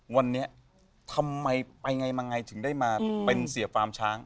วันนี้ทำไมไปไงมาไงถึงได้มาเป็นเสียฟาร์มช้าง